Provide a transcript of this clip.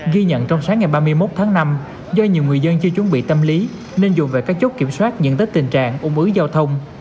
ghi nhận trong sáng ngày ba mươi một tháng năm do nhiều người dân chưa chuẩn bị tâm lý nên dùng về các chốt kiểm soát nhận tích tình trạng ủng ứng giao thông